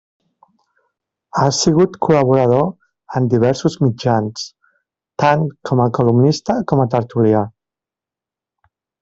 Ha sigut col·laborador en diversos mitjans, tant com a columnista com a tertulià.